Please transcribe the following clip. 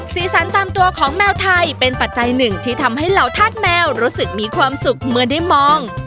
สีสันตามตัวของแมวไทยเป็นปัจจัยหนึ่งที่ทำให้เหล่าธาตุแมวรู้สึกมีความสุขเมื่อได้มอง